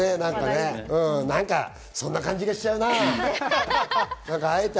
なんかそんな感じがしちゃうな。